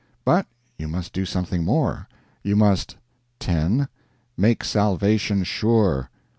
But you must do something more. You must 10. Make Salvation Sure.